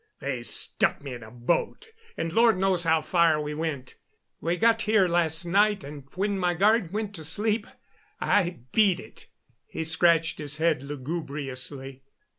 They stuck me in a boat, and Lord knows how far we went. We got here last night, and when my guard went to sleep I beat it." He scratched his head lugubriously.